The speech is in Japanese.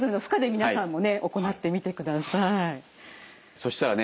そしたらね